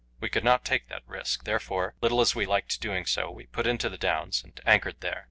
We could not take that risk; therefore, little as we liked doing so, we put into the Downs and anchored there.